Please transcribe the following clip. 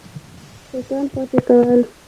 کسان خوشي کول.